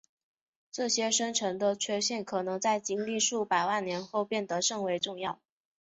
这些深层的缺点可能在经历数百万年后变得甚为重要。